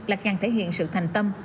là càng thể hiện sự thành tâm